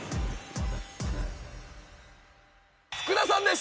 福田さんです！